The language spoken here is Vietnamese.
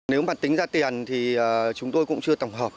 nếu mà tính ra tiền thì chúng tôi cũng chưa tổng hợp